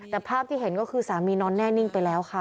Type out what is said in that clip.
แต่ภาพที่เห็นก็คือสามีนอนแน่นิ่งไปแล้วค่ะ